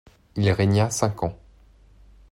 Il régna cinq ans.